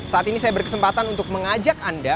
saat ini saya berkesempatan untuk mengajak anda